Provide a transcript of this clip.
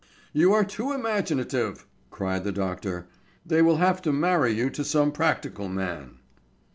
"You are too imaginative!" cried the doctor. "They will have to marry you to some practical man."